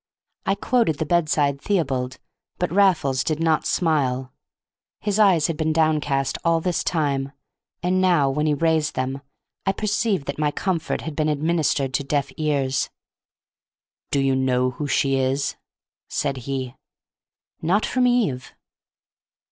I quoted the bedside Theobald, but Raffles did not smile. His eyes had been downcast all this time, and now, when he raised them, I perceived that my comfort had been administered to deaf ears. "Do you know who she is?" said he. "Not from Eve."